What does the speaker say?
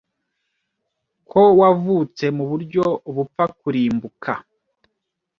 ko wavutse muburyo bupfaKurimbuka